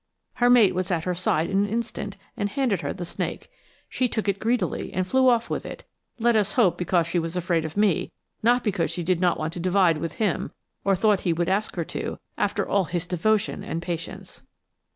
Her mate was at her side in an instant, and handed her the snake. She took it greedily and flew off with it, let us hope because she was afraid of me, not because she did not want to divide with him, or thought he would ask her to, after all his devotion and patience!